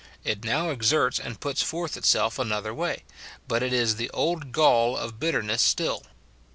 It now exerts and puts forth itself another way, but it is the old gall of bitterness still."